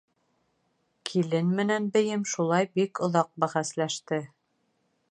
Килен менән бейем шулай бик оҙаҡ бәхәсләште.